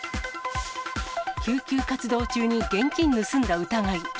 救急活動中に現金盗んだ疑い。